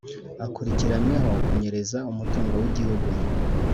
akurikiranyweho kunyereza umutungo wigihugu